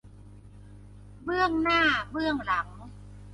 เบื้องหน้าเบื้องหลัง